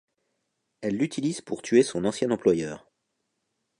Elle l'utilise pour tuer son ancien employeur.